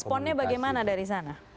responnya bagaimana dari sana